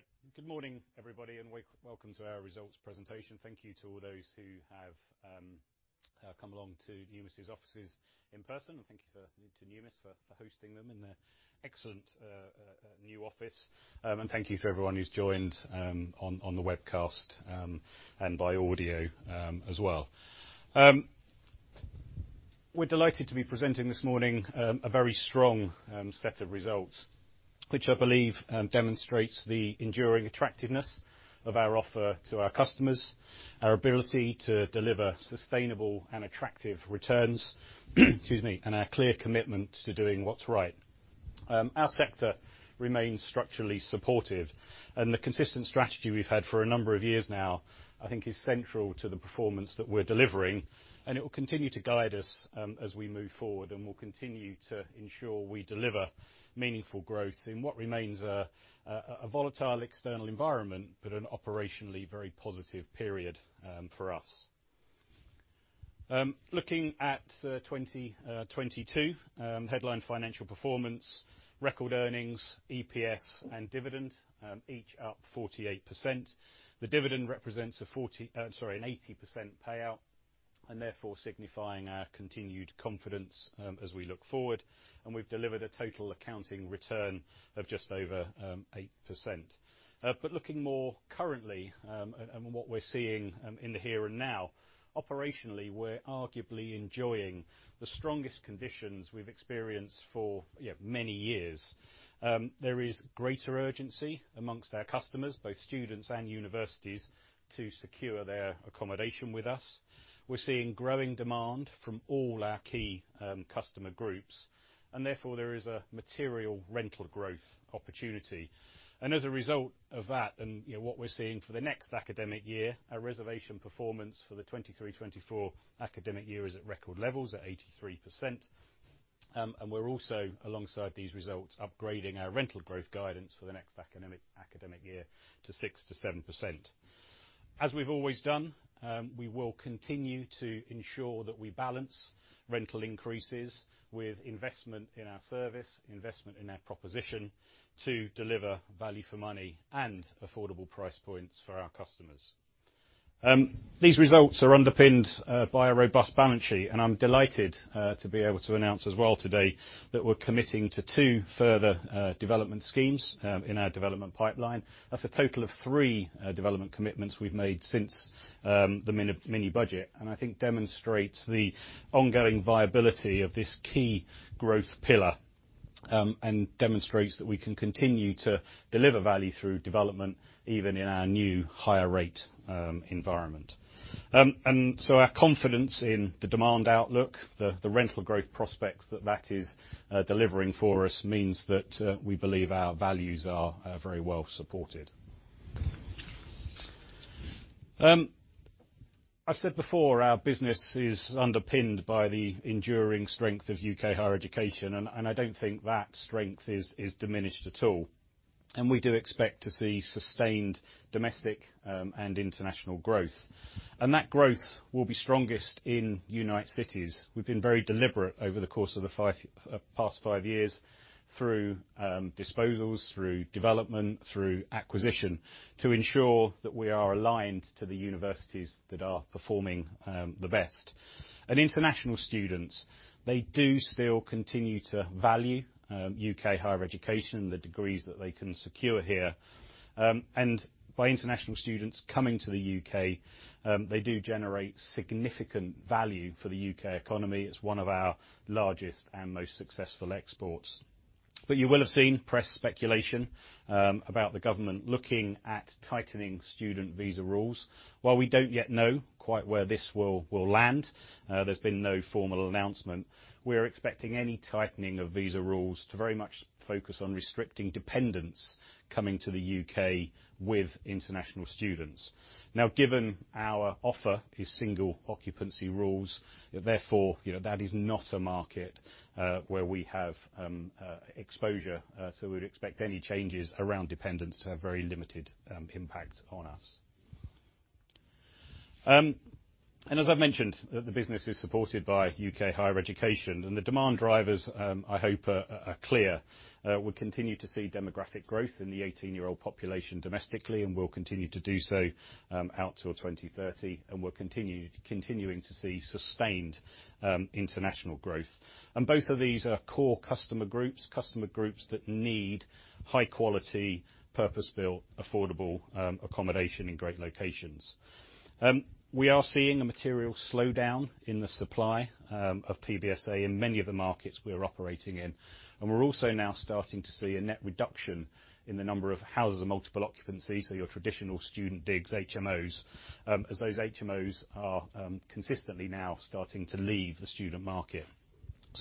All right. Good morning, everybody, welcome to our results presentation. Thank you to all those who have come along to Numis' offices in person. Thank you to Numis for hosting them in their excellent new office. Thank you to everyone who's joined on the webcast and by audio as well. We're delighted to be presenting this morning a very strong set of results, which I believe demonstrates the enduring attractiveness of our offer to our customers, our ability to deliver sustainable and attractive returns, excuse me, and our clear commitment to doing what's right. Our sector remains structurally supportive, and the consistent strategy we've had for a number of years now, I think is central to the performance that we're delivering, and it will continue to guide us as we move forward. We'll continue to ensure we deliver meaningful growth in what remains a volatile external environment, but an operationally very positive period for us. Looking at 2022 headline financial performance, record earnings, EPS and dividend, each up 48%. The dividend represents an 80% payout, and therefore signifying our continued confidence as we look forward. We've delivered a total accounting return of just over 8%. Looking more currently, at what we're seeing, in the here and now, operationally, we're arguably enjoying the strongest conditions we've experienced for, you know, many years. There is greater urgency amongst our customers, both students and universities, to secure their accommodation with us. We're seeing growing demand from all our key customer groups, and therefore there is a material rental growth opportunity. As a result of that and, you know, what we're seeing for the next academic year, our reservation performance for the 2023-2024 academic year is at record levels at 83%. We're also, alongside these results, upgrading our rental growth guidance for the next academic year to 6%-7%. As we've always done, we will continue to ensure that we balance rental increases with investment in our service, investment in our proposition to deliver value for money and affordable price points for our customers. These results are underpinned by a robust balance sheet, and I'm delighted to be able to announce as well today that we're committing to two further development schemes in our development pipeline. That's a total of three development commitments we've made since the mini-budget, and I think demonstrates the ongoing viability of this key growth pillar, and demonstrates that we can continue to deliver value through development even in our new higher rate environment. Our confidence in the demand outlook, the rental growth prospects that that is delivering for us means that we believe our values are very well supported. I've said before, our business is underpinned by the enduring strength of UK higher education, and I don't think that strength is diminished at all. We do expect to see sustained domestic and international growth. That growth will be strongest in Unite cities. We've been very deliberate over the course of the past five years through disposals, through development, through acquisition to ensure that we are aligned to the universities that are performing the best. International students, they do still continue to value UK higher education and the degrees that they can secure here. By international students coming to the U.K., they do generate significant value for the U.K. economy. It's one of our largest and most successful exports. You will have seen press speculation about the government looking at tightening student visa rules. While we don't yet know quite where this will land, there's been no formal announcement, we are expecting any tightening of visa rules to very much focus on restricting dependents coming to the U.K. with international students. Given our offer is single occupancy rules, therefore, you know, that is not a market where we have exposure. We would expect any changes around dependents to have very limited impact on us. As I've mentioned, the business is supported by U.K. higher education. The demand drivers, I hope are clear. We continue to see demographic growth in the 18-year-old population domestically and will continue to do so out to 2030. We're continuing to see sustained international growth. Both of these are core customer groups, customer groups that need high quality, purpose-built, affordable accommodation in great locations. We are seeing a material slowdown in the supply of PBSA in many of the markets we are operating in. We're also now starting to see a net reduction in the number of houses of multiple occupancy, so your traditional student digs, HMOs, as those HMOs are consistently now starting to leave the student market.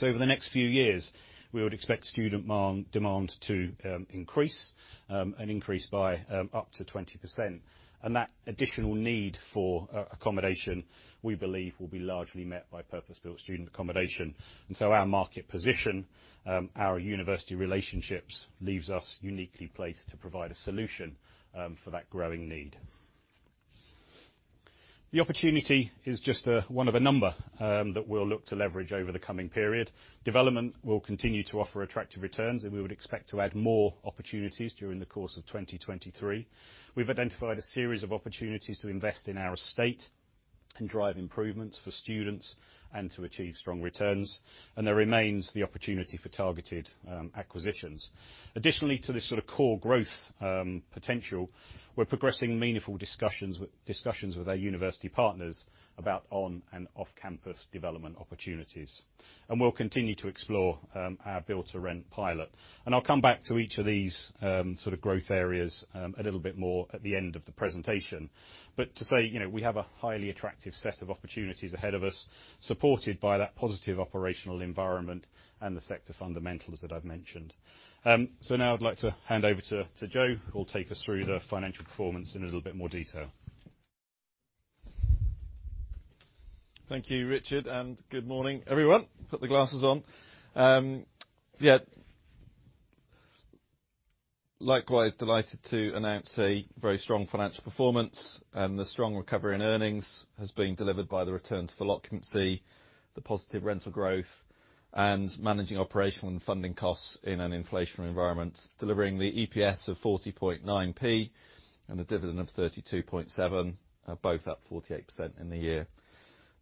Over the next few years, we would expect student demand to increase and increase by up to 20%. That additional need for accommodation, we believe, will be largely met by purpose-built student accommodation. Our market position, our university relationships leaves us uniquely placed to provide a solution for that growing need. The opportunity is just one of a number that we'll look to leverage over the coming period. Development will continue to offer attractive returns, and we would expect to add more opportunities during the course of 2023. We've identified a series of opportunities to invest in our estate and drive improvements for students and to achieve strong returns. There remains the opportunity for targeted acquisitions. Additionally to this sort of core growth potential, we're progressing meaningful discussions with our university partners about on and off-campus development opportunities. We'll continue to explore our build to rent pilot. I'll come back to each of these, sort of growth areas, a little bit more at the end of the presentation. To say, you know, we have a highly attractive set of opportunities ahead of us, supported by that positive operational environment and the sector fundamentals that I've mentioned. Now I'd like to hand over to Joe, who'll take us through the financial performance in a little bit more detail. Thank you, Richard, and good morning, everyone. Put the glasses on. Yeah. Likewise delighted to announce a very strong financial performance, and the strong recovery and earnings has been delivered by the returns for occupancy, the positive rental growth, and managing operational and funding costs in an inflationary environment, delivering the EPS of 0.409 and a dividend of 0.327, both up 48% in the year.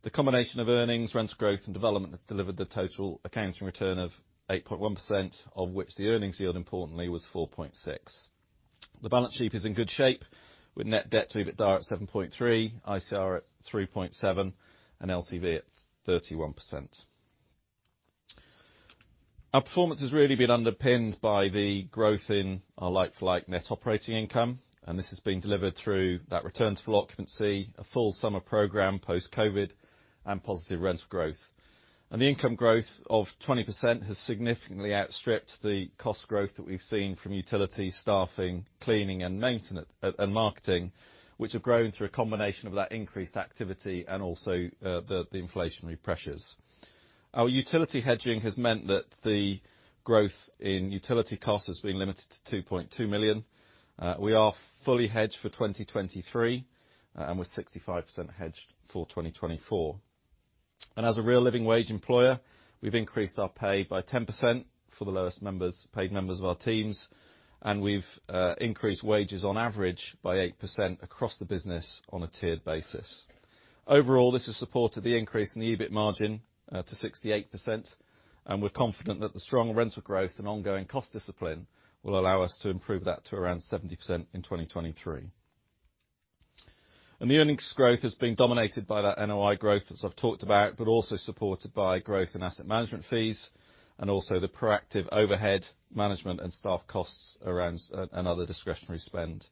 The combination of earnings, rental growth, and development has delivered the total accounting return of 8.1%, of which the earnings yield importantly was 4.6%. The balance sheet is in good shape with net debt to EBITDAR at 7.3, ICR at 3.7, and LTV at 31%. Our performance has really been underpinned by the growth in our like-for-like net operating income, and this has been delivered through that return to full occupancy, a full summer program post-COVID, and positive rental growth. The income growth of 20% has significantly outstripped the cost growth that we've seen from utility, staffing, cleaning, and marketing, which have grown through a combination of that increased activity and also the inflationary pressures. Our utility hedging has meant that the growth in utility costs has been limited to 2.2 million. We are fully hedged for 2023, and we're 65% hedged for 2024. As a Real Living Wage employer, we've increased our pay by 10% for the lowest members, paid members of our teams, and we've increased wages on average by 8% across the business on a tiered basis. Overall, this has supported the increase in the EBIT margin to 68%, and we're confident that the strong rental growth and ongoing cost discipline will allow us to improve that to around 70% in 2023. The earnings growth has been dominated by that NOI growth, as I've talked about, but also supported by growth in asset management fees and also the proactive overhead management and staff costs around and other discretionary spend.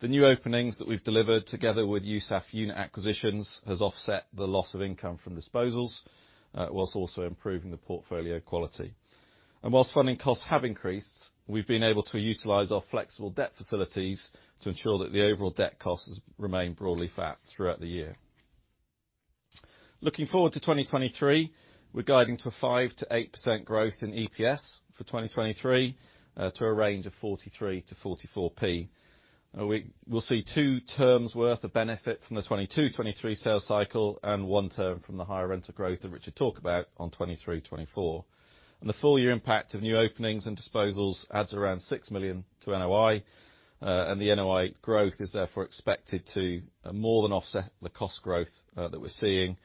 The new openings that we've delivered together with USAF unit acquisitions has offset the loss of income from disposals, whilst also improving the portfolio quality. Whilst funding costs have increased, we've been able to utilize our flexible debt facilities to ensure that the overall debt costs remain broadly flat throughout the year. Looking forward to 2023, we're guiding to a 5%-8% growth in EPS for 2023, to a range of 43p-44p. We'll see two terms worth of benefit from the 2022-2023 sales cycle and one term from the higher rental growth that Richard talked about on 2023-2024. The full year impact of new openings and disposals adds around 6 million to NOI. The NOI growth is therefore expected to more than offset the cost growth that we're seeing,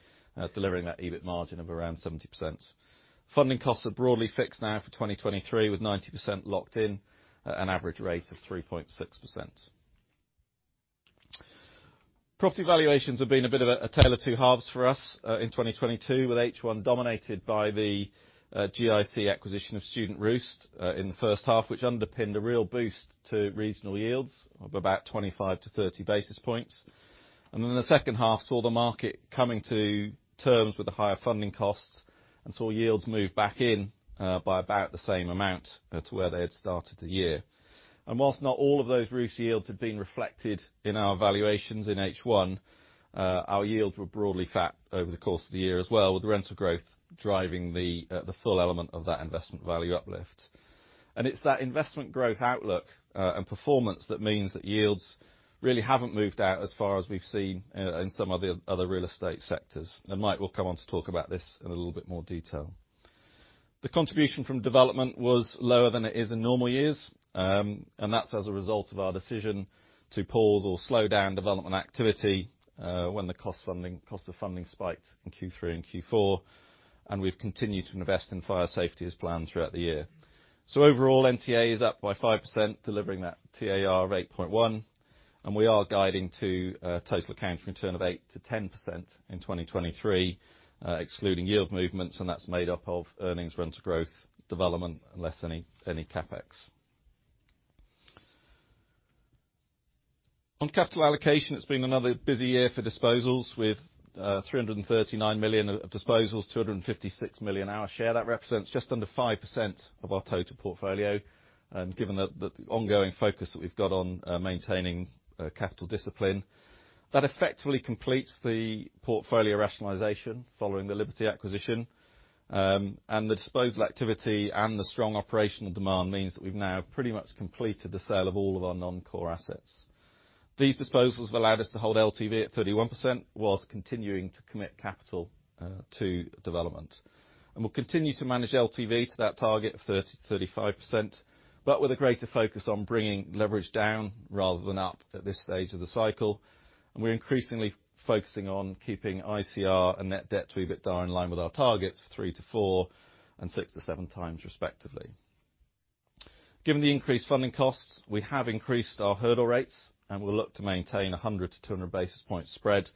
delivering that EBIT margin of around 70%. Funding costs are broadly fixed now for 2023, with 90% locked in at an average rate of 3.6%. Property valuations have been a bit of a tale of two halves for us in 2022, with H1 dominated by the GIC acquisition of Student Roost in the first half, which underpinned a real boost to regional yields of about 25-30 basis points. The second half saw the market coming to terms with the higher funding costs and saw yields move back in by about the same amount to where they had started the year. Whilst not all of those Student Roost yields have been reflected in our valuations in H1, our yields were broadly flat over the course of the year as well, with rental growth driving the full element of that investment value uplift. It's that investment growth outlook and performance that means that yields really haven't moved out as far as we've seen in some other real estate sectors. Mike will come on to talk about this in a little bit more detail. The contribution from development was lower than it is in normal years, and that's as a result of our decision to pause or slow down development activity when the cost of funding spiked in Q3 and Q4, and we've continued to invest in fire safety as planned throughout the year. Overall, NTA is up by 5%, delivering that TAR of 8.1, we are guiding to a total accounting return of 8%-10% in 2023, excluding yield movements, that's made up of earnings, rental growth, development, and less any CapEx. On capital allocation, it's been another busy year for disposals with 339 million of disposals, 256 million our share. That represents just under 5% of our total portfolio, given the ongoing focus that we've got on maintaining capital discipline. That effectively completes the portfolio rationalization following the Liberty acquisition, and the disposal activity and the strong operational demand means that we've now pretty much completed the sale of all of our non-core assets. These disposals have allowed us to hold LTV at 31% whilst continuing to commit capital to development. We'll continue to manage LTV to that target of 30%-35%, but with a greater focus on bringing leverage down rather than up at this stage of the cycle. We're increasingly focusing on keeping ICR and net debt to EBITDA in line with our targets for 3-4 and 6-7 times respectively. Given the increased funding costs, we have increased our hurdle rates, and we'll look to maintain a 100-200 basis points spread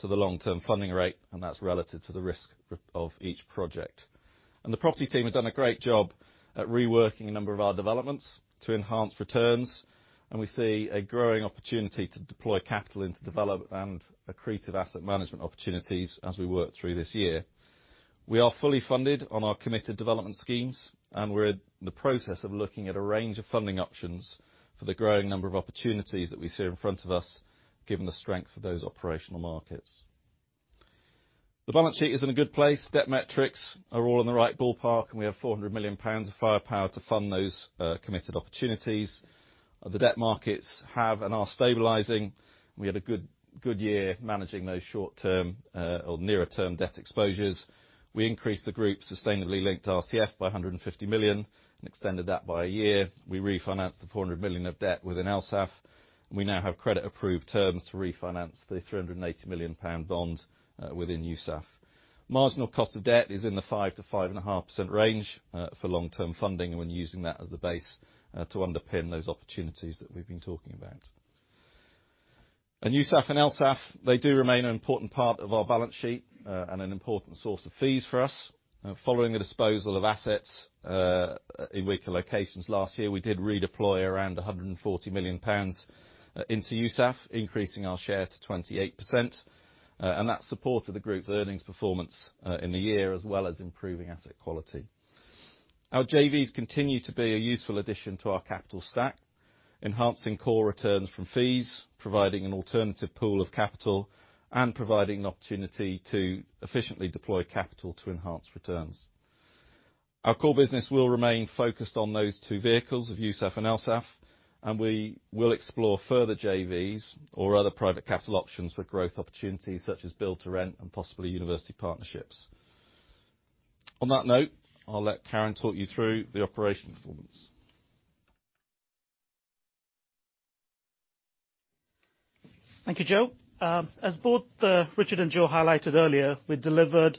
to the long-term funding rate, and that's relative to the risk of each project. The property team has done a great job at reworking a number of our developments to enhance returns, and we see a growing opportunity to deploy capital into develop and accretive asset management opportunities as we work through this year. We are fully funded on our committed development schemes, and we're in the process of looking at a range of funding options for the growing number of opportunities that we see in front of us, given the strength of those operational markets. The balance sheet is in a good place. Debt metrics are all in the right ballpark, and we have 400 million pounds of firepower to fund those committed opportunities. The debt markets have and are stabilizing. We had a good year managing those short-term or nearer-term debt exposures. We increased the group sustainably linked RCF by 150 million and extended that by a year. We refinanced the 400 million of debt within Elsaf, and we now have credit-approved terms to refinance the 380 million pound bond within USAF. Marginal cost of debt is in the 5%-5.5% range for long-term funding and when using that as the base to underpin those opportunities that we've been talking about. USAF and Elsaf, they do remain an important part of our balance sheet and an important source of fees for us. Following the disposal of assets in weaker locations last year, we did redeploy around 140 million pounds into USAF, increasing our share to 28%. That supported the group's earnings performance in the year, as well as improving asset quality. Our JVs continue to be a useful addition to our capital stack, enhancing core returns from fees, providing an alternative pool of capital, and providing an opportunity to efficiently deploy capital to enhance returns. Our core business will remain focused on those two vehicles of USAF and Elsaf, and we will explore further JVs or other private capital options for growth opportunities such as Build-to-Rent and possibly university partnerships. On that note, I'll let Karan talk you through the operational performance. Thank you, Joe. As both Richard and Joe highlighted earlier, we delivered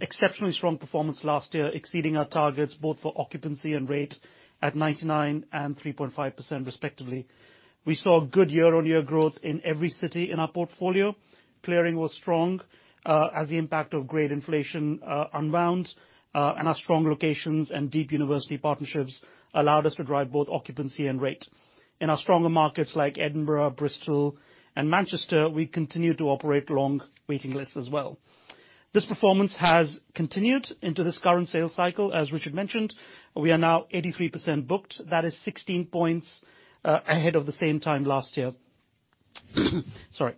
exceptionally strong performance last year, exceeding our targets both for occupancy and rate at 99 and 3.5% respectively. We saw good year-on-year growth in every city in our portfolio. Clearing was strong, as the impact of grade inflation unwound, and our strong locations and deep university partnerships allowed us to drive both occupancy and rate. In our stronger markets like Edinburgh, Bristol, and Manchester, we continue to operate long waiting lists as well. This performance has continued into this current sales cycle, as Richard mentioned. We are now 83% booked. That is 16 points ahead of the same time last year. Sorry.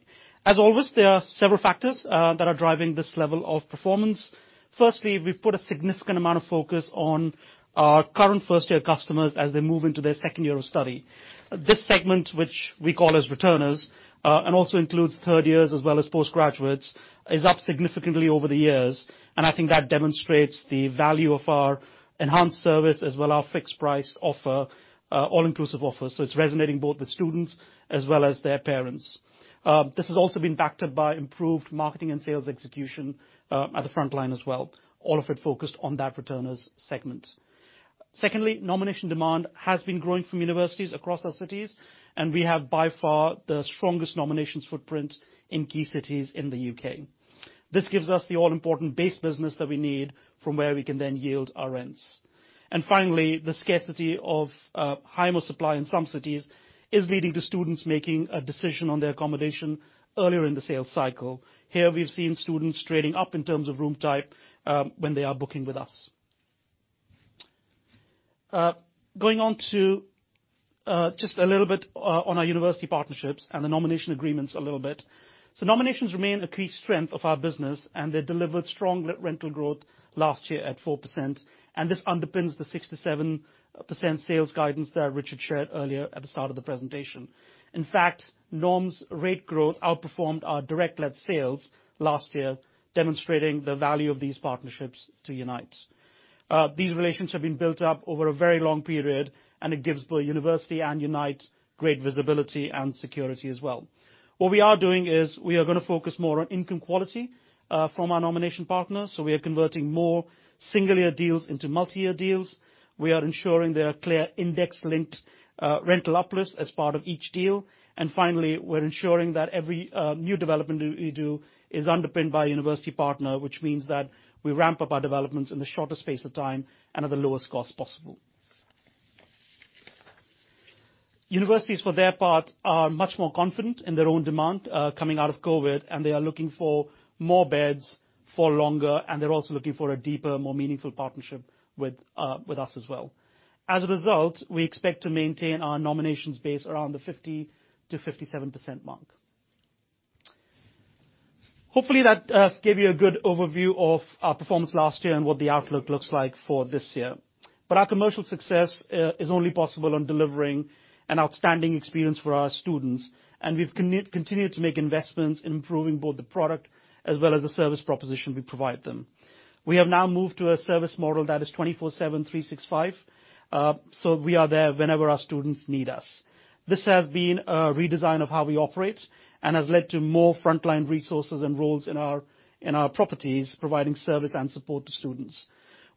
As always, there are several factors that are driving this level of performance. Firstly, we've put a significant amount of focus on our current first-year customers as they move into their second year of study. This segment, which we call as returners, and also includes third years as well as postgraduates, is up significantly over the years, and I think that demonstrates the value of our enhanced service as well our fixed price offer, all-inclusive offer. It's resonating both with students as well as their parents. This has also been backed up by improved marketing and sales execution at the front line as well, all of it focused on that returners segment. Secondly, nomination demand has been growing from universities across our cities, and we have by far the strongest nominations footprint in key cities in the U.K. This gives us the all-important base business that we need from where we can then yield our rents. Finally, the scarcity of HMO supply in some cities is leading to students making a decision on their accommodation earlier in the sales cycle. Here, we've seen students trading up in terms of room type when they are booking with us. Going on to just a little bit on our university partnerships and the nomination agreements a little bit. Nominations remain a key strength of our business, and they delivered strong re-rental growth last year at 4%, and this underpins the 6%-7% sales guidance that Richard shared earlier at the start of the presentation. In fact, nominations rate growth outperformed our direct-led sales last year, demonstrating the value of these partnerships to Unite. These relations have been built up over a very long period, and it gives the university and Unite great visibility and security as well. What we are doing is we are gonna focus more on income quality from our nomination partners. We are converting more single-year deals into multi-year deals. We are ensuring there are clear index-linked rental uplifts as part of each deal. Finally, we're ensuring that every new development we do is underpinned by a university partner, which means that we ramp up our developments in the shortest space of time and at the lowest cost possible. Universities, for their part, are much more confident in their own demand coming out of COVID, and they are looking for more beds for longer, and they're also looking for a deeper, more meaningful partnership with us as well. As a result, we expect to maintain our nominations base around the 50%-57% mark. Hopefully that gave you a good overview of our performance last year and what the outlook looks like for this year. Our commercial success is only possible on delivering an outstanding experience for our students, and we've continued to make investments in improving both the product as well as the service proposition we provide them. We have now moved to a service model that is 24/7, 365, so we are there whenever our students need us. This has been a redesign of how we operate and has led to more frontline resources and roles in our properties, providing service and support to students.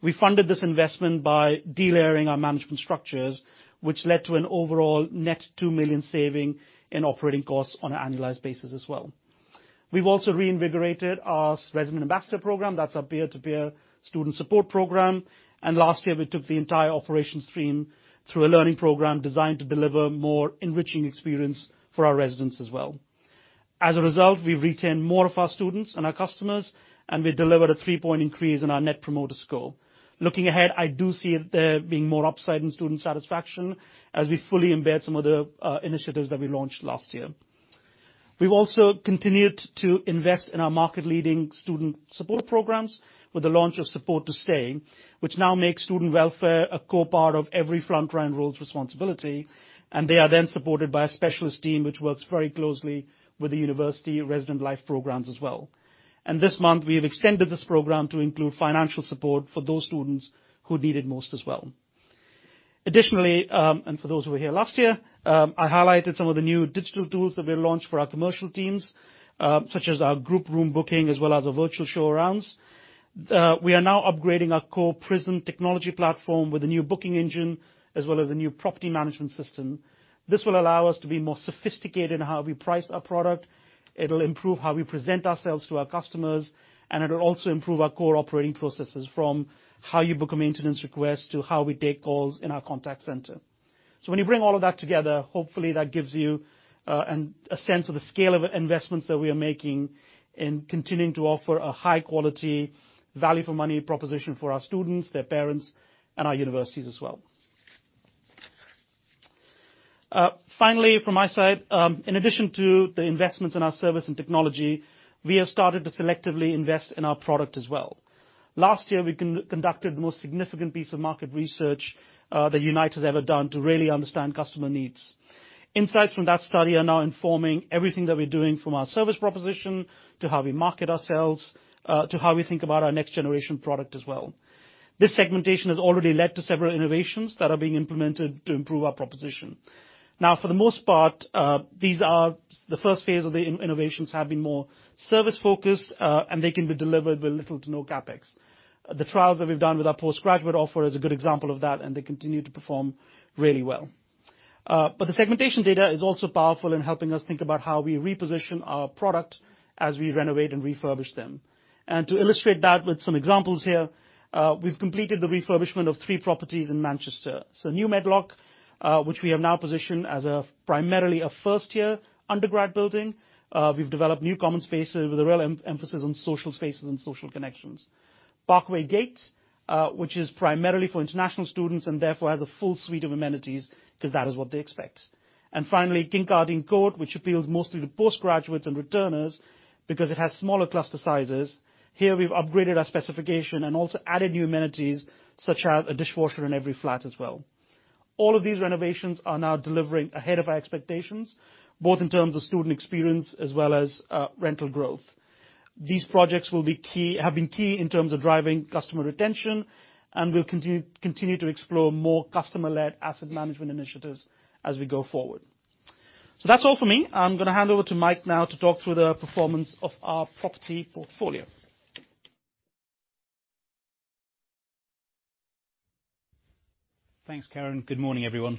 We funded this investment by delayering our management structures, which led to an overall net 2 million saving in operating costs on an annualized basis as well. We've also reinvigorated our resident ambassador program. That's our peer-to-peer student support program. Last year, we took the entire operations team through a learning program designed to deliver more enriching experience for our residents as well. As a result, we retained more of our students and our customers, and we delivered a 3-point increase in our Net Promoter Score. Looking ahead, I do see there being more upside in student satisfaction as we fully embed some of the initiatives that we launched last year. We've also continued to invest in our market-leading student support programs with the launch of Support to Stay, which now makes student welfare a core part of every frontline role's responsibility. They are then supported by a specialist team which works very closely with the university resident life programs as well. This month, we have extended this program to include financial support for those students who need it most as well. Additionally, and for those who were here last year, I highlighted some of the new digital tools that we launched for our commercial teams, such as our group room booking, as well as our virtual showarounds. We are now upgrading our core Prism technology platform with a new booking engine, as well as a new property management system. This will allow us to be more sophisticated in how we price our product, it'll improve how we present ourselves to our customers, it'll also improve our core operating processes from how you book a maintenance request to how we take calls in our contact center. When you bring all of that together, hopefully that gives you a sense of the scale of investments that we are making in continuing to offer a high quality, value for money proposition for our students, their parents, and our universities as well. Finally, from my side, in addition to the investments in our service and technology, we have started to selectively invest in our product as well. Last year, we conducted the most significant piece of market research that Unite has ever done to really understand customer needs. Insights from that study are now informing everything that we're doing, from our service proposition to how we market ourselves, to how we think about our next-generation product as well. This segmentation has already led to several innovations that are being implemented to improve our proposition. For the most part, the first phase of the innovations have been more service focused, and they can be delivered with little to no CapEx. The trials that we've done with our postgraduate offer is a good example of that, and they continue to perform really well. The segmentation data is also powerful in helping us think about how we reposition our product as we renovate and refurbish them. To illustrate that with some examples here, we've completed the refurbishment of three properties in Manchester. New Medlock, which we have now positioned as a primarily a first-year undergrad building. We've developed new common spaces with a real emphasis on social spaces and social connections. Parkway Gates, which is primarily for international students and therefore has a full suite of amenities because that is what they expect. Finally, Kincardine Court, which appeals mostly to postgraduates and returners because it has smaller cluster sizes. Here, we've upgraded our specification and also added new amenities such as a dishwasher in every flat as well. All of these renovations are now delivering ahead of our expectations, both in terms of student experience as well as rental growth. These projects have been key in terms of driving customer retention, and we'll continue to explore more customer-led asset management initiatives as we go forward. That's all for me. I'm gonna hand over to Mike now to talk through the performance of our property portfolio. Thanks, Karan. Good morning, everyone.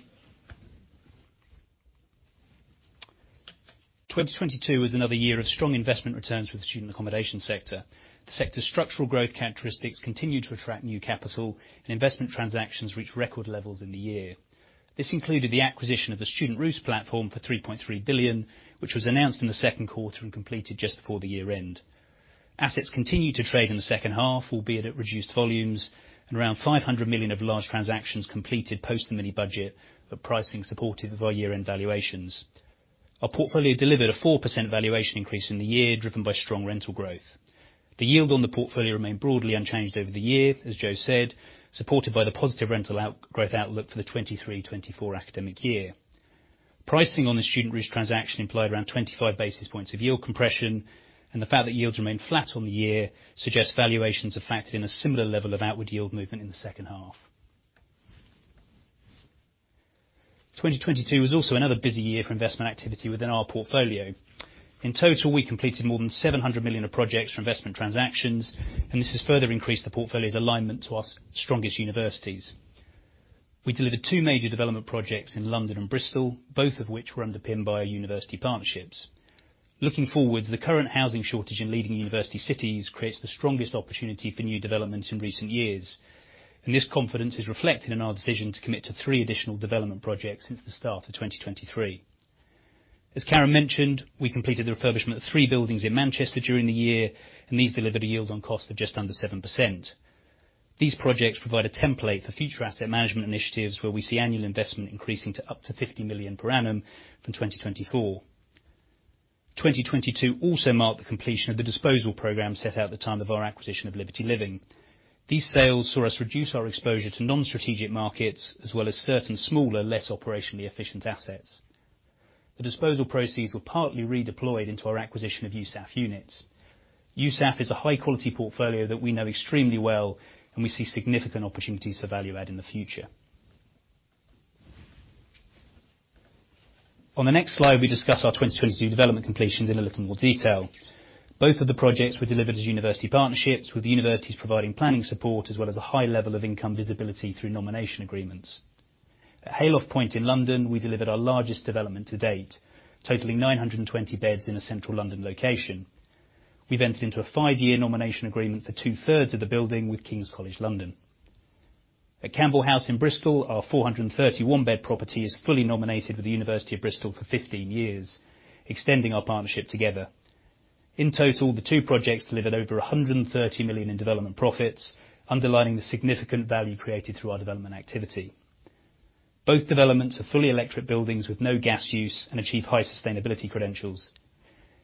2022 was another year of strong investment returns for the student accommodation sector. The sector's structural growth characteristics continued to attract new capital and investment transactions reached record levels in the year. This included the acquisition of the Student Roost platform for 3.3 billion, which was announced in the second quarter and completed just before the year-end. Assets continued to trade in the second half, albeit at reduced volumes. Around 500 million of large transactions completed post the mini-budget, but pricing supportive of our year-end valuations. Our portfolio delivered a 4% valuation increase in the year, driven by strong rental growth. The yield on the portfolio remained broadly unchanged over the year, as Joe said, supported by the positive rental growth outlook for the 2023, 2024 academic year. Pricing on the Student Roost transaction implied around 25 basis points of yield compression, and the fact that yields remained flat on the year suggests valuations are factored in a similar level of outward yield movement in the second half. 2022 was also another busy year for investment activity within our portfolio. In total, we completed more than 700 million of projects for investment transactions, and this has further increased the portfolio's alignment to our strongest universities. We delivered two major development projects in London and Bristol, both of which were underpinned by our university partnerships. Looking forward, the current housing shortage in leading university cities creates the strongest opportunity for new developments in recent years, and this confidence is reflected in our decision to commit to three additional development projects since the start of 2023. As Karan mentioned, we completed the refurbishment of three buildings in Manchester during the year. These delivered a yield on cost of just under 7%. These projects provide a template for future asset management initiatives where we see annual investment increasing to up to 50 million per annum from 2024. 2022 also marked the completion of the disposal program set out at the time of our acquisition of Liberty Living. These sales saw us reduce our exposure to non-strategic markets, as well as certain smaller, less operationally efficient assets. The disposal proceeds were partly redeployed into our acquisition of USAF units. USAF is a high-quality portfolio that we know extremely well. We see significant opportunities for value add in the future. On the next slide, we discuss our 2022 development completions in a little more detail. Both of the projects were delivered as university partnerships, with the universities providing planning support as well as a high level of income visibility through nomination agreements. At Hayloft Point in London, we delivered our largest development to date, totaling 920 beds in a central London location. We've entered into a five-year nomination agreement for two-thirds of the building with King's College London. At Campbell House in Bristol, our 431-bed property is fully nominated with the University of Bristol for 15 years, extending our partnership together. In total, the two projects delivered over 130 million in development profits, underlining the significant value created through our development activity. Both developments are fully electric buildings with no gas use and achieve high sustainability credentials.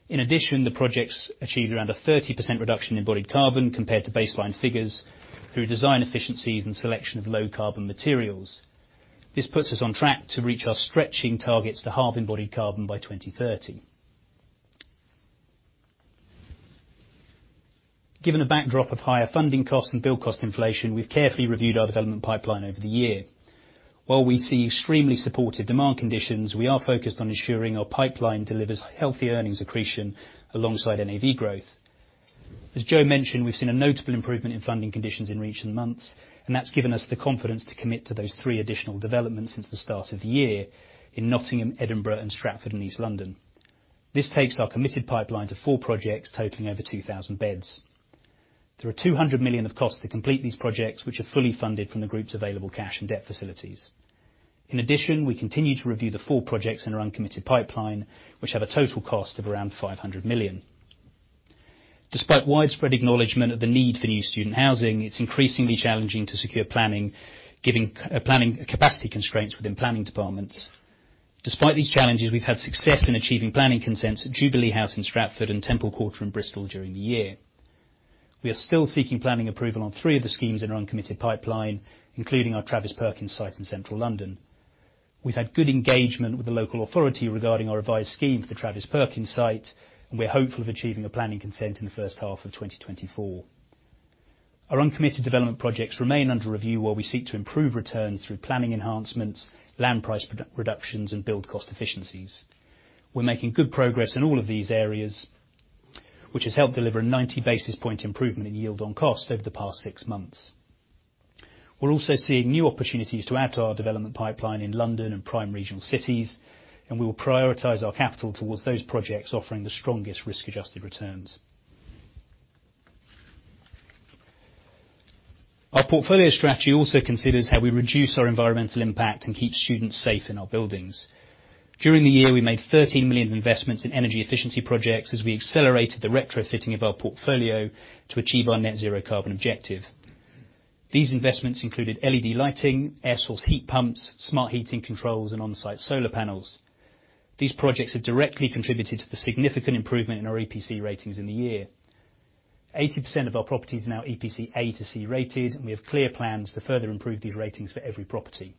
In addition, the projects achieved around a 30% reduction in embodied carbon compared to baseline figures through design efficiencies and selection of low-carbon materials. This puts us on track to reach our stretching targets to halve embodied carbon by 2030. Given a backdrop of higher funding costs and build cost inflation, we've carefully reviewed our development pipeline over the year. While we see extremely supportive demand conditions, we are focused on ensuring our pipeline delivers healthy earnings accretion alongside NAV growth. As Joe mentioned, we've seen a notable improvement in funding conditions in recent months, and that's given us the confidence to commit to those 3 additional developments since the start of the year in Nottingham, Edinburgh, and Stratford in East London. This takes our committed pipeline to 4 projects totaling over 2,000 beds. There are 200 million of costs to complete these projects, which are fully funded from the group's available cash and debt facilities. We continue to review the four projects in our uncommitted pipeline, which have a total cost of around 500 million. Despite widespread acknowledgment of the need for new student housing, it's increasingly challenging to secure planning, giving capacity constraints within planning departments. Despite these challenges, we've had success in achieving planning consents at Jubilee House in Stratford and Temple Quarter in Bristol during the year. We are still seeking planning approval on three of the schemes in our uncommitted pipeline, including our Travis Perkins site in central London. We've had good engagement with the local authority regarding our revised scheme for the Travis Perkins site, and we're hopeful of achieving a planning consent in the first half of 2024. Our uncommitted development projects remain under review while we seek to improve returns through planning enhancements, land price reductions, and build cost efficiencies. We're making good progress in all of these areas, which has helped deliver a 90 basis point improvement in yield on cost over the past six months. We're also seeing new opportunities to add to our development pipeline in London and prime regional cities. We will prioritize our capital towards those projects offering the strongest risk-adjusted returns. Our portfolio strategy also considers how we reduce our environmental impact and keep students safe in our buildings. During the year, we made 13 million investments in energy efficiency projects as we accelerated the retrofitting of our portfolio to achieve our net zero carbon objective. These investments included LED lighting, air source heat pumps, smart heating controls, and on-site solar panels. These projects have directly contributed to the significant improvement in our EPC ratings in the year. 80% of our properties are now EPC A to C rated, and we have clear plans to further improve these ratings for every property.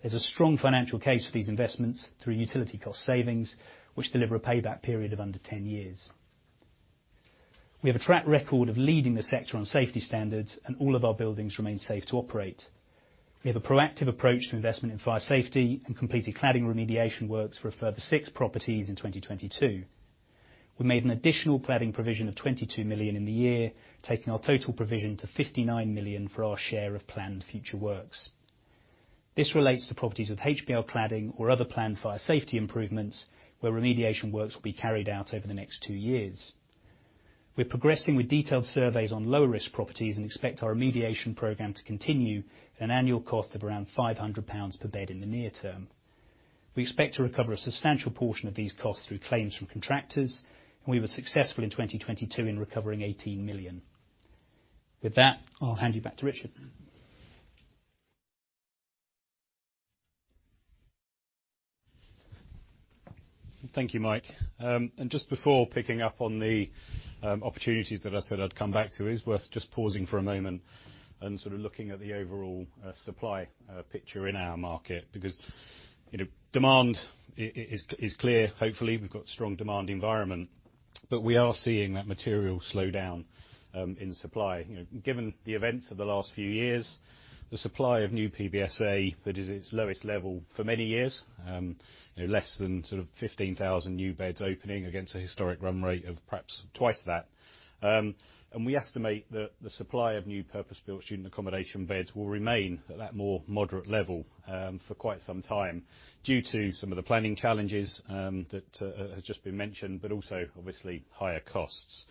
There's a strong financial case for these investments through utility cost savings, which deliver a payback period of under 10 years. We have a track record of leading the sector on safety standards, and all of our buildings remain safe to operate. We have a proactive approach to investment in fire safety and completed cladding remediation works for a further 6 properties in 2022. We made an additional cladding provision of 22 million in the year, taking our total provision to 59 million for our share of planned future works. This relates to properties with HPL cladding or other planned fire safety improvements, where remediation works will be carried out over the next two years. We're progressing with detailed surveys on low-risk properties and expect our remediation program to continue at an annual cost of around 500 pounds per bed in the near term. We expect to recover a substantial portion of these costs through claims from contractors. We were successful in 2022 in recovering 18 million. With that, I'll hand you back to Richard. Thank you, Mike. Just before picking up on the opportunities that I said I'd come back to, it is worth just pausing for a moment and sort of looking at the overall supply picture in our market. You know, demand is clear. Hopefully, we've got strong demand environment, but we are seeing that material slow down in supply. You know, given the events of the last few years, the supply of new PBSA, that is its lowest level for many years. You know, less than sort of 15,000 new beds opening against a historic run rate of perhaps twice that. We estimate that the supply of new purpose-built student accommodation beds will remain at that more moderate level for quite some time due to some of the planning challenges that have just been mentioned, but also obviously higher costs.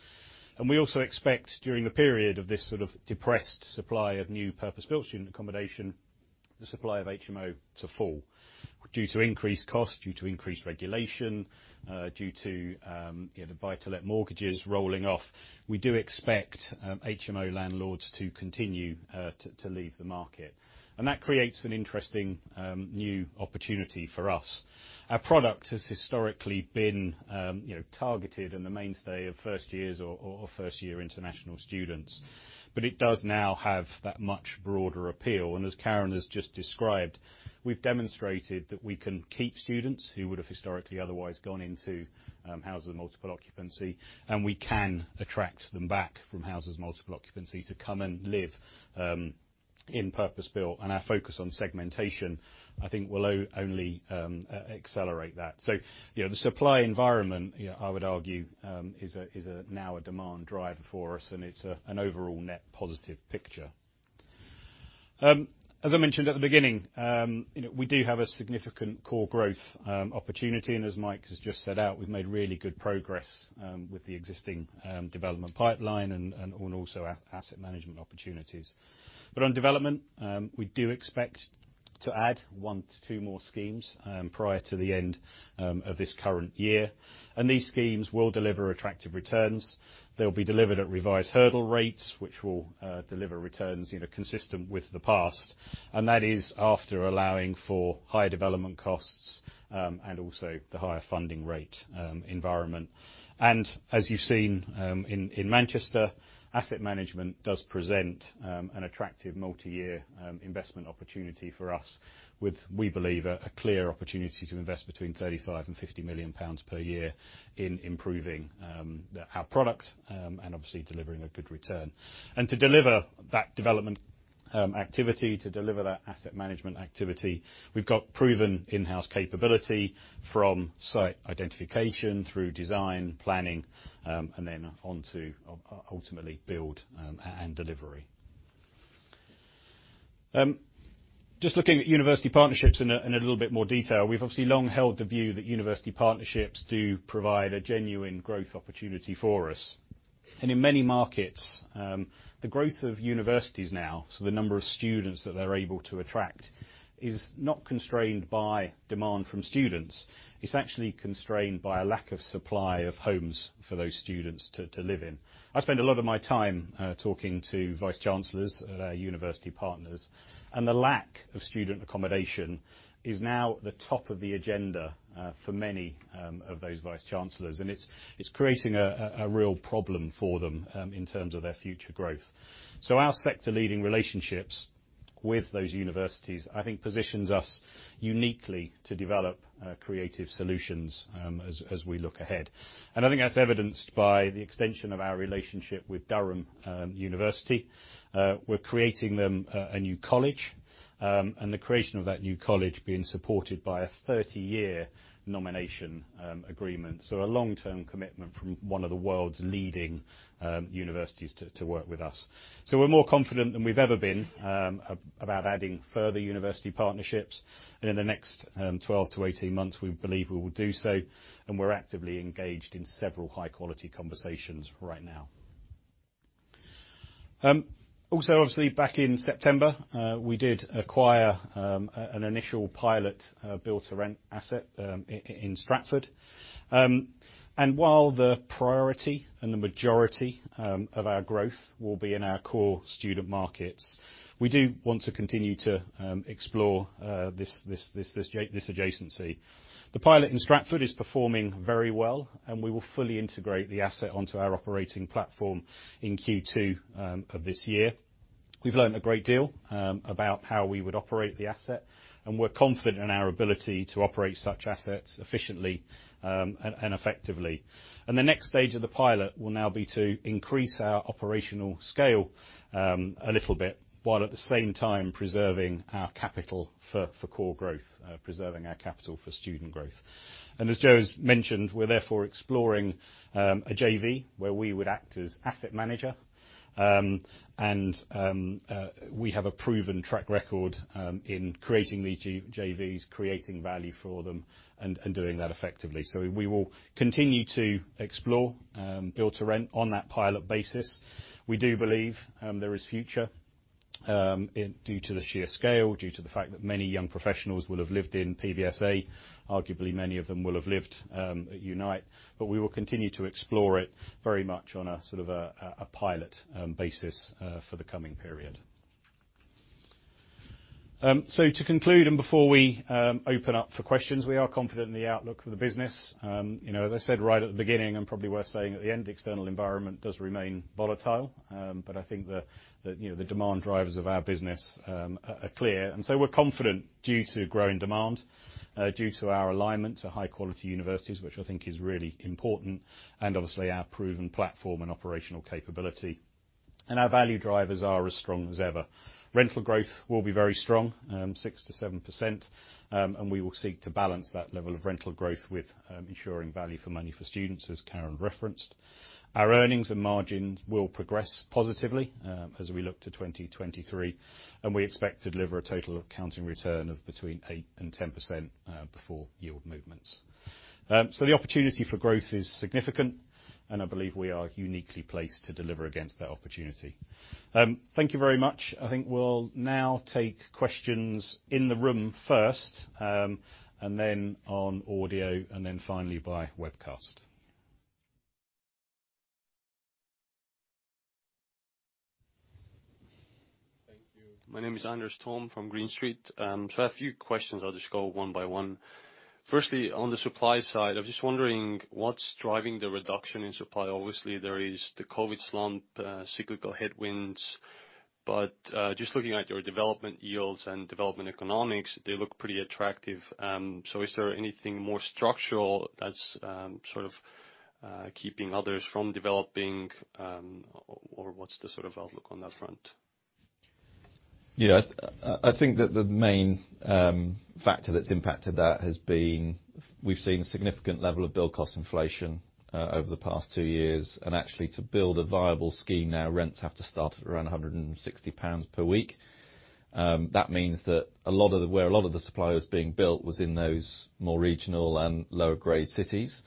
We also expect during the period of this sort of depressed supply of new purpose-built student accommodation. The supply of HMO to fall due to increased costs, due to increased regulation, due to, you know, the buy to let mortgages rolling off. We do expect HMO landlords to continue to leave the market. That creates an interesting new opportunity for us. Our product has historically been, you know, targeted in the mainstay of first years or first-year international students. It does now have that much broader appeal. As Karan has just described, we've demonstrated that we can keep students who would have historically otherwise gone into houses of multiple occupancy, and we can attract them back from houses of multiple occupancy to come and live in purpose-built. Our focus on segmentation, I think, will only accelerate that. You know, the supply environment, you know, I would argue is a now a demand driver for us, and it's an overall net positive picture. As I mentioned at the beginning, you know, we do have a significant core growth opportunity. As Mike has just set out, we've made really good progress with the existing development pipeline and also asset management opportunities. On development, we do expect to add one to two more schemes prior to the end of this current year. These schemes will deliver attractive returns. They'll be delivered at revised hurdle rates, which will deliver returns, you know, consistent with the past. That is after allowing for higher development costs and also the higher funding rate environment. As you've seen, in Manchester, asset management does present an attractive multi-year investment opportunity for us with, we believe, a clear opportunity to invest between 35 million and 50 million pounds per year in improving our product and obviously delivering a good return. To deliver that development, activity, to deliver that asset management activity, we've got proven in-house capability from site identification through design, planning, and then onto ultimately build and delivery. Just looking at university partnerships in a, in a little bit more detail. We've obviously long held the view that university partnerships do provide a genuine growth opportunity for us. In many markets, the growth of universities now, so the number of students that they're able to attract, is not constrained by demand from students. It's actually constrained by a lack of supply of homes for those students to live in. I spend a lot of my time talking to vice chancellors at our university partners, and the lack of student accommodation is now the top of the agenda for many of those vice chancellors. It's creating a real problem for them in terms of their future growth. Our sector leading relationships with those universities, I think, positions us uniquely to develop creative solutions as we look ahead. I think that's evidenced by the extension of our relationship with Durham University. We're creating them a new college, and the creation of that new college being supported by a 30-year nomination agreement. A long-term commitment from one of the world's leading universities to work with us. We're more confident than we've ever been about adding further university partnerships. In the next 12 to 18 months, we believe we will do so, and we're actively engaged in several high-quality conversations right now. Also, obviously, back in September, we did acquire an initial pilot Build-to-Rent asset in Stratford. While the priority and the majority of our growth will be in our core student markets, we do want to continue to explore this adjacency. The pilot in Stratford is performing very well, and we will fully integrate the asset onto our operating platform in Q2 of this year. We've learned a great deal about how we would operate the asset, and we're confident in our ability to operate such assets efficiently and effectively. The next stage of the pilot will now be to increase our operational scale a little bit, while at the same time preserving our capital for core growth, preserving our capital for student growth. As Joe has mentioned, we're therefore exploring a JV where we would act as asset manager. We have a proven track record in creating these JVs, creating value for them and doing that effectively. We will continue to explore Build-to-Rent on that pilot basis. We do believe there is future due to the sheer scale, due to the fact that many young professionals will have lived in PBSA. Arguably, many of them will have lived at Unite. We will continue to explore it very much on a, sort of a pilot basis for the coming period. To conclude, before we open up for questions, we are confident in the outlook for the business. You know, as I said right at the beginning, and probably worth saying at the end, external environment does remain volatile. I think the, you know, the demand drivers of our business are clear. We're confident due to growing demand, due to our alignment to high-quality universities, which I think is really important, and obviously, our proven platform and operational capability. Our value drivers are as strong as ever. Rental growth will be very strong, 6%-7%, and we will seek to balance that level of rental growth with ensuring value for money for students, as Karan referenced. Our earnings and margins will progress positively, as we look to 2023, and we expect to deliver a total accounting return of between 8% and 10%, before yield movements. The opportunity for growth is significant, and I believe we are uniquely placed to deliver against that opportunity. Thank you very much. I think we'll now take questions in the room first, and then on audio and then finally by webcast. My name is Andreas Thom from Green Street. I have a few questions. I'll just go one by one. On the supply side, I was just wondering what's driving the reduction in supply. Obviously, there is the COVID slump, cyclical headwinds, just looking at your development yields and development economics, they look pretty attractive. Is there anything more structural that's, sort of, keeping others from developing, or what's the sort of outlook on that front? Yeah. I think that the main factor that's impacted that has been we've seen significant level of build cost inflation over the past two years. Actually, to build a viable scheme now, rents have to start at around 160 pounds per week. That means that where a lot of the supply was being built was in those more regional and lower grade cities.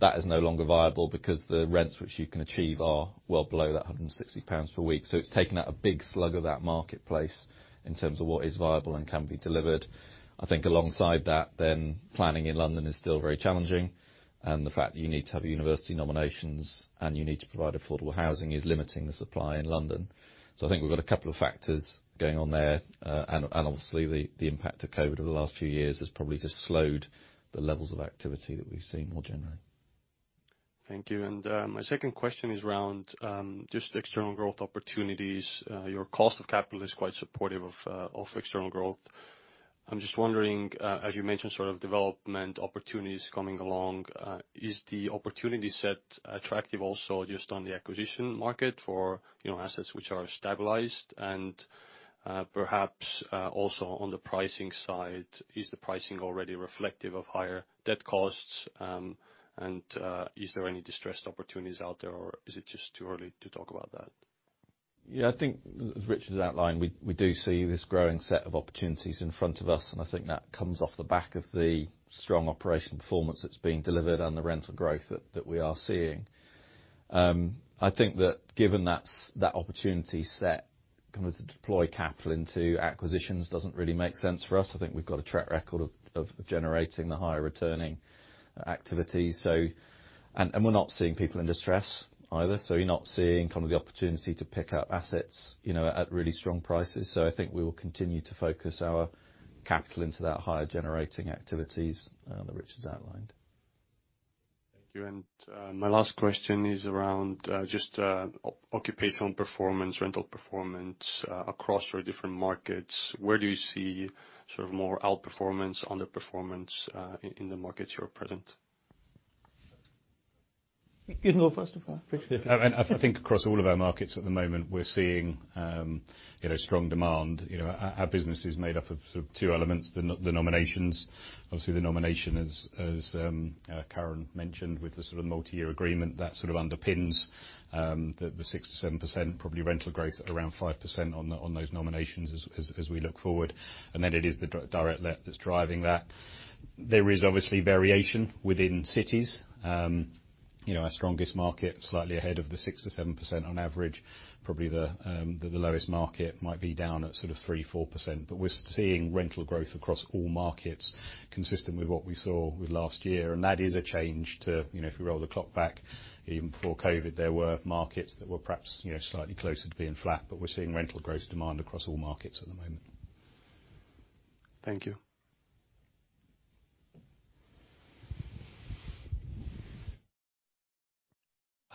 That is no longer viable because the rents which you can achieve are well below that 160 pounds per week. It's taken out a big slug of that marketplace in terms of what is viable and can be delivered. I think alongside that, planning in London is still very challenging. The fact that you need to have university nominations and you need to provide affordable housing is limiting the supply in London. I think we've got a couple of factors going on there. Obviously, the impact of COVID over the last few years has probably just slowed the levels of activity that we've seen more generally. Thank you. My second question is around just external growth opportunities. Your cost of capital is quite supportive of external growth. I'm just wondering, as you mentioned, sort of development opportunities coming along, is the opportunity set attractive also just on the acquisition market for, you know, assets which are stabilized? Perhaps, also on the pricing side, is the pricing already reflective of higher debt costs? Is there any distressed opportunities out there, or is it just too early to talk about that? I think as Richard has outlined, we do see this growing set of opportunities in front of us, and I think that comes off the back of the strong operational performance that's being delivered and the rental growth that we are seeing. I think that given that opportunity set, kind of to deploy capital into acquisitions doesn't really make sense for us. I think we've got a track record of generating the higher returning activities, and we're not seeing people in distress either, so you're not seeing kind of the opportunity to pick up assets, you know, at really strong prices. I think we will continue to focus our capital into that higher generating activities that Richard's outlined. Thank you. My last question is around, just, occupational performance, rental performance, across your different markets. Where do you see sort of more outperformance, underperformance, in the markets you're present? You go first of all, please. I think across all of our markets at the moment we're seeing, you know, strong demand. You know, our business is made up of sort of two elements, the nominations. Obviously, the nomination as Karan mentioned, with the sort of multiyear agreement that sort of underpins the 6%-7%, probably rental growth at around 5% on those nominations as we look forward. It is the direct let that's driving that. There is obviously variation within cities. You know, our strongest market, slightly ahead of the 6%-7% on average. Probably the lowest market might be down at sort of 3%-4%. We're seeing rental growth across all markets consistent with what we saw with last year. That is a change to, you know, if we roll the clock back even before COVID, there were markets that were perhaps, you know, slightly closer to being flat. We're seeing rental growth demand across all markets at the moment. Thank you.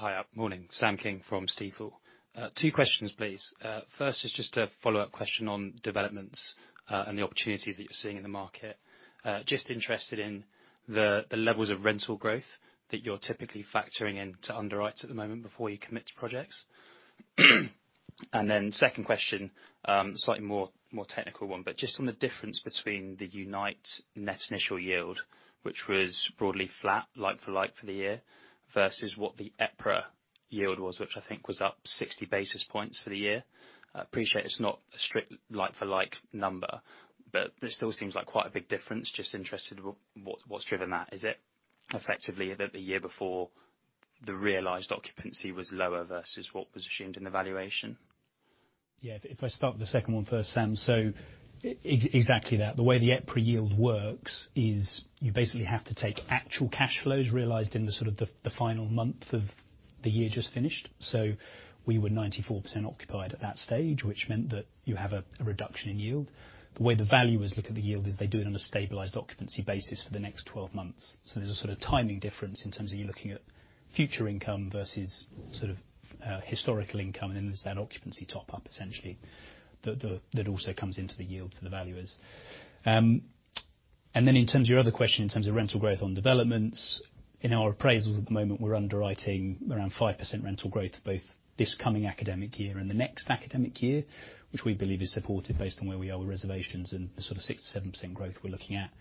Hi. Morning. Sam King from Stifel. Two questions, please. First is just a follow-up question on developments, and the opportunities that you're seeing in the market. Just interested in the levels of rental growth that you're typically factoring in to underwrite at the moment before you commit to projects. Second question, slightly more technical one, but just on the difference between the Unite net initial yield, which was broadly flat like for like for the year, versus what the EPRA yield was, which I think was up 60 basis points for the year. I appreciate it's not a strict like for like number, but it still seems like quite a big difference. Just interested what's driven that. Is it effectively that the year before, the realized occupancy was lower versus what was assumed in the valuation? Yeah. If I start with the second one first, Sam. Exactly that. The way the EPRA yield works is you basically have to take actual cash flows realized in the sort of the final month of the year just finished. We were 94% occupied at that stage, which meant that you have a reduction in yield. The way the valuers look at the yield is they do it on a stabilized occupancy basis for the next 12 months. There's a sort of timing difference in terms of you're looking at future income versus sort of historical income, and then there's that occupancy top-up essentially that also comes into the yield for the valuers. In terms of your other question, in terms of rental growth on developments, in our appraisals at the moment, we're underwriting around 5% rental growth, both this coming academic year and the next academic year, which we believe is supported based on where we are with reservations and the sort of 6%-7% growth we're looking at.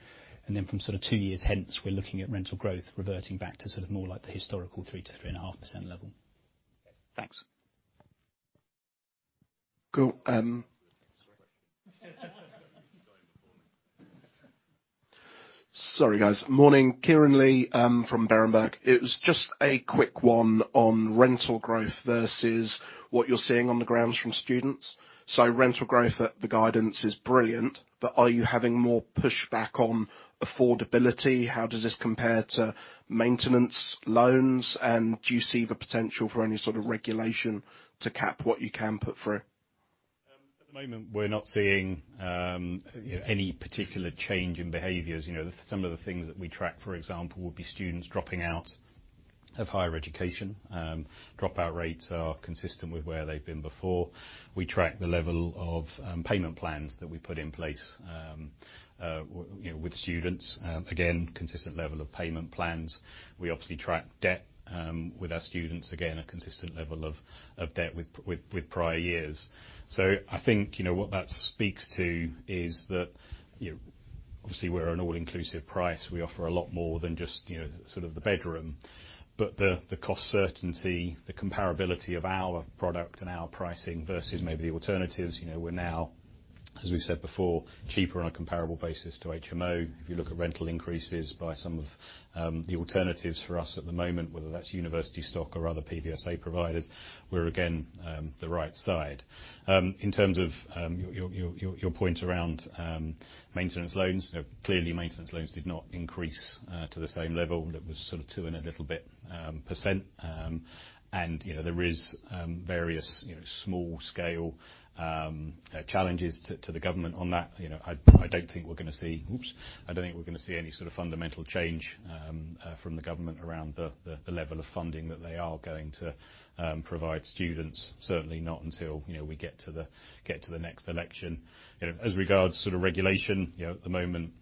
From sort of 2 years hence, we're looking at rental growth reverting back to sort of more like the historical 3%-3.5% level. Thanks. Cool. Sorry, guys. Morning. Kieran Lee, from Berenberg. It was just a quick one on rental growth versus what you're seeing on the grounds from students. Rental growth at the guidance is brilliant, but are you having more pushback on affordability? How does this compare to maintenance loans? Do you see the potential for any sort of regulation to cap what you can put through? At the moment, we're not seeing any particular change in behaviors. You know, some of the things that we track, for example, would be students dropping out of higher education. Dropout rates are consistent with where they've been before. We track the level of payment plans that we put in place, you know, with students. Again, consistent level of payment plans. We obviously track debt with our students. Again, a consistent level of debt with prior years. I think, you know, what that speaks to is that, you know, obviously we're an all-inclusive price. We offer a lot more than just, you know, sort of the bedroom. The cost certainty, the comparability of our product and our pricing versus maybe the alternatives, you know, we're now, as we've said before, cheaper on a comparable basis to HMO. If you look at rental increases by some of the alternatives for us at the moment, whether that's university stock or other PBSA providers, we're again the right side. In terms of your point around maintenance loans, you know, clearly maintenance loans did not increase to the same level. That was sort of 2 and a little bit %. You know, there is various, you know, small scale challenges to the government on that. You know, I don't think we're gonna see. Oops. I don't think we're gonna see any sort of fundamental change from the government around the level of funding that they are going to provide students. Certainly not until, you know, we get to the next election. You know, as regards sort of regulation, you know, at the moment,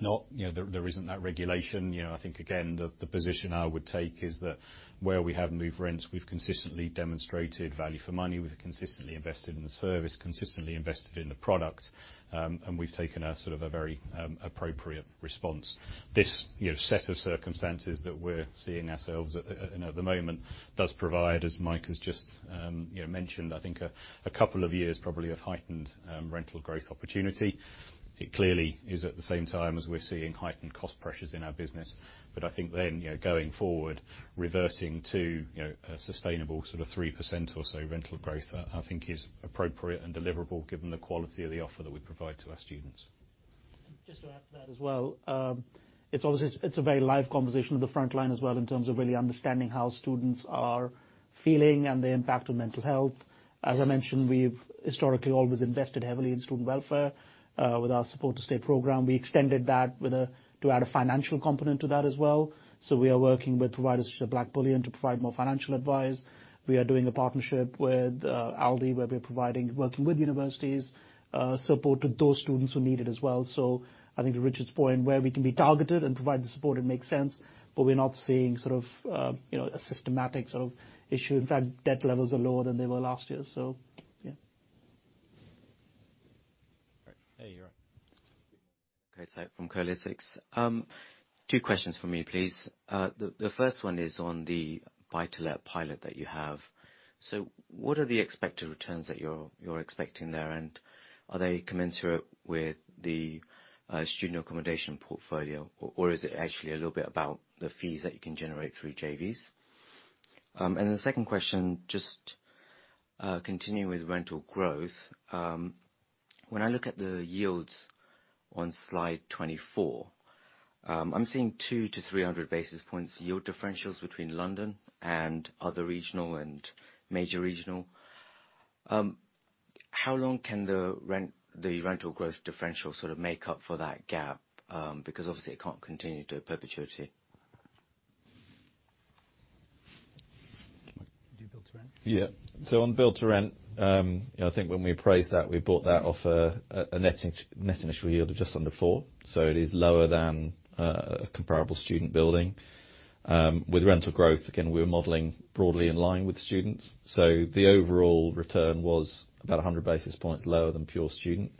not, you know, there isn't that regulation. You know, I think again, the position I would take is that where we have moved rents, we've consistently demonstrated value for money. We've consistently invested in the service, consistently invested in the product. And we've taken a sort of a very appropriate response. This, you know, set of circumstances that we're seeing ourselves at, you know, at the moment does provide, as Mike has just, you know, mentioned, I think a couple of years probably of heightened rental growth opportunity. It clearly is at the same time as we're seeing heightened cost pressures in our business. I think then, you know, going forward, reverting to, you know, a sustainable sort of 3% or so rental growth, I think is appropriate and deliverable given the quality of the offer that we provide to our students. Just to add to that as well. It's obviously a very live conversation with the front line as well in terms of really understanding how students are feeling and the impact on mental health. As I mentioned, we've historically always invested heavily in student welfare, with our Support to Stay program. We extended that to add a financial component to that as well. We are working with providers such as Blackbullion to provide more financial advice. We are doing a partnership with Aldi, where we're providing, working with universities, support to those students who need it as well. I think to Richard's point, where we can be targeted and provide the support, it makes sense, but we're not seeing sort of, you know, a systematic sort of issue. In fact, debt levels are lower than they were last year. Yeah. All right. Hey, Calum. From Kolytics. Two questions from me, please. The first one is on the buy-to-let pilot that you have. What are the expected returns that you're expecting there, and are they commensurate with the student accommodation portfolio or is it actually a little bit about the fees that you can generate through JVs? The second question, just continuing with rental growth. When I look at the yields on slide 24, I'm seeing 200-300 basis points yield differentials between London and other regional and major regional. How long can the rental growth differential sort of make up for that gap? Because obviously it can't continue to perpetuity. Do Build-to-Rent. On Build-to-Rent, you know, I think when we appraised that, we bought that off a net initial yield of just under 4%. It is lower than a comparable student building. With rental growth, again, we're modeling broadly in line with students. The overall return was about 100 basis points lower than pure student.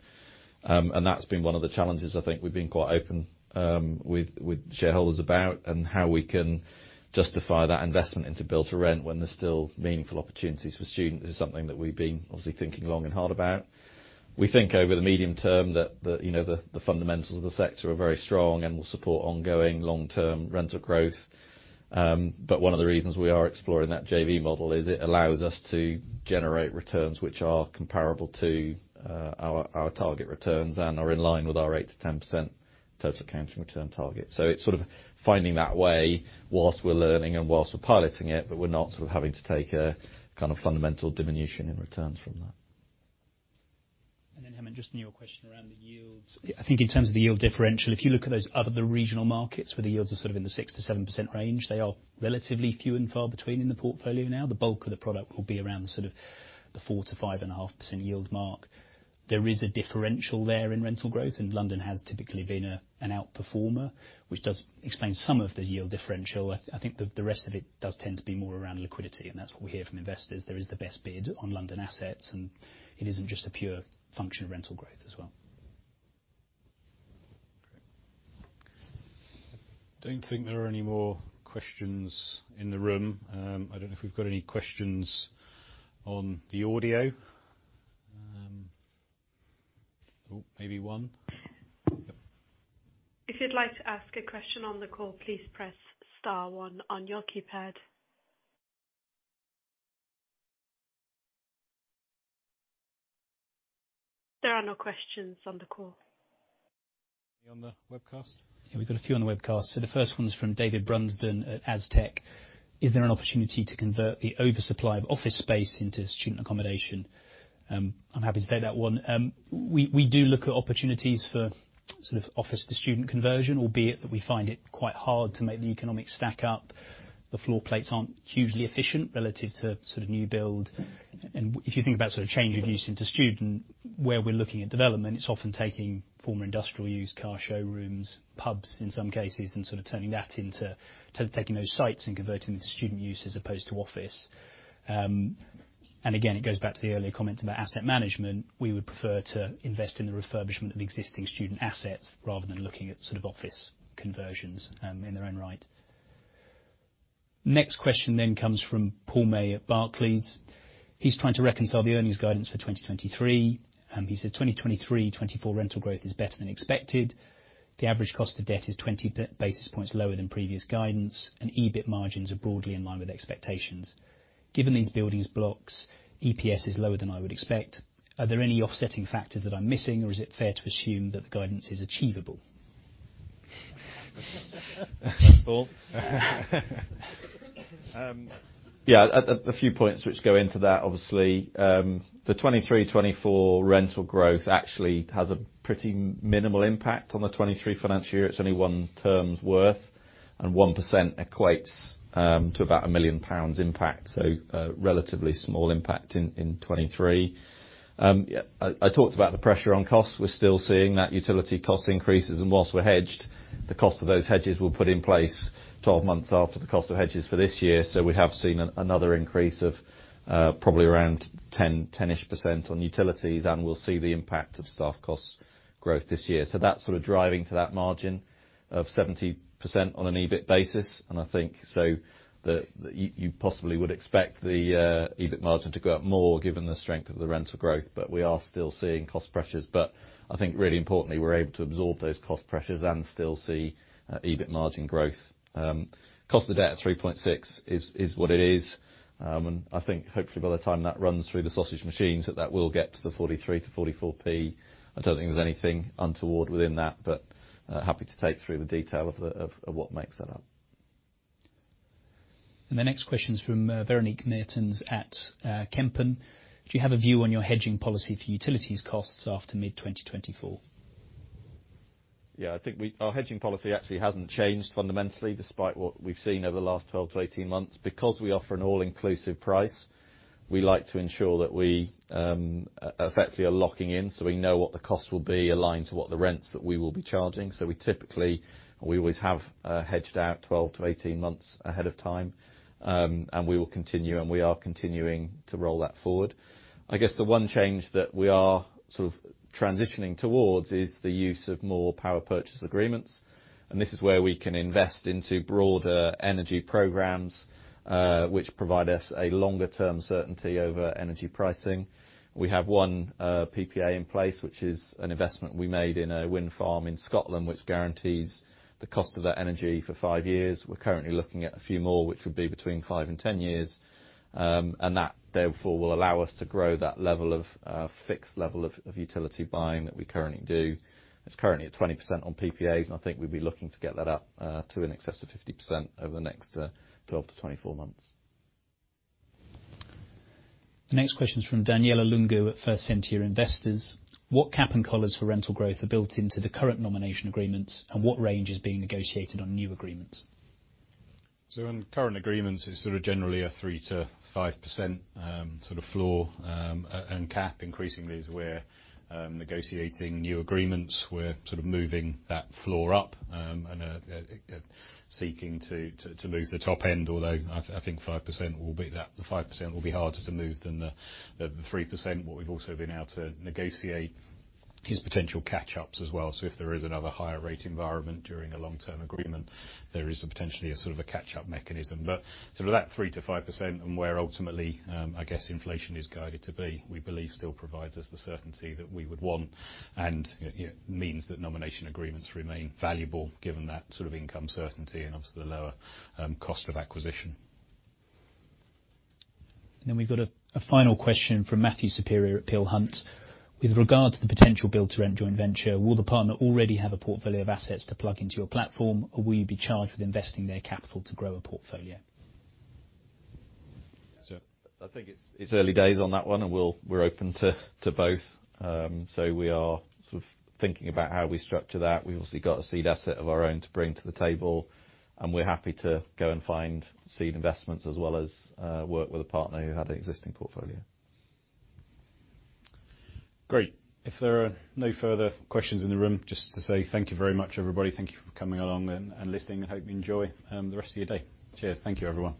That's been one of the challenges I think we've been quite open with shareholders about and how we can justify that investment into Build-to-Rent when there's still meaningful opportunities for students is something that we've been obviously thinking long and hard about. We think over the medium term that the, you know, the fundamentals of the sector are very strong and will support ongoing long-term rental growth. One of the reasons we are exploring that JV model is it allows us to generate returns which are comparable to our target returns and are in line with our 8%-10% total accounting return target. It's sort of finding that way whilst we're learning and whilst we're piloting it, but we're not sort of having to take a fundamental diminution in returns from that. Hemant, just on your question around the yields. I think in terms of the yield differential, if you look at those other regional markets where the yields are sort of in the 6%-7% range, they are relatively few and far between in the portfolio now. The bulk of the product will be around sort of the 4%-5.5% yield mark. There is a differential there in rental growth, and London has typically been an outperformer, which does explain some of the yield differential. I think the rest of it does tend to be more around liquidity, and that's what we hear from investors. There is the best bid on London assets, and it isn't just a pure function of rental growth as well. Don't think there are any more questions in the room. I don't know if we've got any questions on the audio. oh, maybe one. Yep. If you'd like to ask a question on the call, please press star one on your keypad. There are no questions on the call. On the webcast? Yeah, we've got a few on the webcast. The first one's from David Brockton We would prefer to invest in the refurbishment of existing student assets rather than looking at sort of office conversions in their own right. Next question comes from Paul May at Barclays. He's trying to reconcile the earnings guidance for 2023. He said, "2023, 2024 rental growth is better than expected. The average cost of debt is 20 basis points lower than previous guidance, and EBIT margins are broadly in line with expectations. Given these building blocks, EPS is lower than I would expect. Are there any offsetting factors that I'm missing, or is it fair to assume that the guidance is achievable?" Thanks, Paul. Yeah, a few points which go into that. Obviously, the 2023, 2024 rental growth actually has a pretty minimal impact on the 2023 financial year. It's only one term's worth, and 1% equates to about 1 million pounds impact, so a relatively small impact in 2023. Yeah, I talked about the pressure on costs. We're still seeing that utility cost increases, and whilst we're hedged, the cost of those hedges were put in place 12 months after the cost of hedges for this year. We have seen another increase of probably around 10-ish% on utilities, and we'll see the impact of staff cost growth this year. That's sort of driving to that margin of 70% on an EBIT basis. I think you possibly would expect the EBIT margin to go up more given the strength of the rental growth. We are still seeing cost pressures. I think really importantly, we're able to absorb those cost pressures and still see EBIT margin growth. Cost of debt at 3.6% is what it is. I think hopefully by the time that runs through the sausage machines, that will get to the 43p-44p. I don't think there's anything untoward within that, but happy to take through the detail of what makes that up. The next question is from Véronique Meertens at Kempen. Do you have a view on your hedging policy for utilities costs after mid-2024? Yeah, I think Our hedging policy actually hasn't changed fundamentally, despite what we've seen over the last 12 to 18 months. We offer an all-inclusive price, we like to ensure that we effectively are locking in, so we know what the cost will be aligned to what the rents that we will be charging. We typically, we always have hedged out 12 to 18 months ahead of time. We will continue, and we are continuing to roll that forward. I guess the one change that we are sort of transitioning towards is the use of more power purchase agreements. This is where we can invest into broader energy programs, which provide us a longer-term certainty over energy pricing. We have 1 PPA in place, which is an investment we made in a wind farm in Scotland, which guarantees the cost of that energy for 5 years. We're currently looking at a few more, which would be between 5 and 10 years, and that therefore will allow us to grow that level of fixed level of utility buying that we currently do. It's currently at 20% on PPAs, and I think we'd be looking to get that up to in excess of 50% over the next 12 to 24 months. The next question is from Daniela Lungu at First Sentier Investors. What cap and collars for rental growth are built into the current nomination agreements, and what range is being negotiated on new agreements? On current agreements, it's sort of generally a 3%-5% sort of floor and cap. Increasingly as we're negotiating new agreements, we're sort of moving that floor up and seeking to move the top end, although I think 5% will be that. The 5% will be harder to move than the 3%. What we've also been able to negotiate is potential catch-ups as well. If there is another higher rate environment during a long-term agreement, there is potentially a sort of a catch-up mechanism. Sort of that 3%-5% and where ultimately, I guess inflation is guided to be, we believe still provides us the certainty that we would want and, you know, means that nomination agreements remain valuable given that sort of income certainty and obviously the lower cost of acquisition. We've got a final question from Matthew Saperia at Peel Hunt. With regard to the potential Build-to-Rent joint venture, will the partner already have a portfolio of assets to plug into your platform, or will you be charged with investing their capital to grow a portfolio? I think it's early days on that one, and we're open to both. We are sort of thinking about how we structure that. We've obviously got a seed asset of our own to bring to the table, and we're happy to go and find seed investments as well as work with a partner who had the existing portfolio. Great. If there are no further questions in the room, just to say thank you very much, everybody. Thank you for coming along and listening. I hope you enjoy the rest of your day. Cheers. Thank you, everyone.